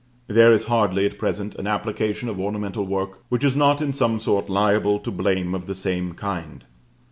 There is hardly, at present, an application of ornamental work, which is not in some sort liable to blame of the same kind.